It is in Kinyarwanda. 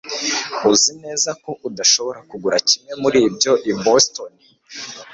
Uzi neza ko udashobora kugura kimwe muri ibyo i Boston